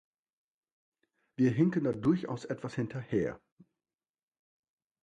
Wir hinken da durchaus etwas hinterher.